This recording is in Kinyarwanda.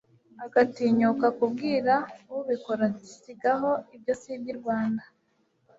agatinyuka kubwira ubikora ati sigaho ibyo si iby'i rwanda